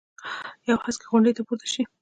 یوې هسکې غونډۍ ته پورته شي.